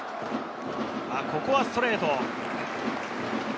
ここはストレート。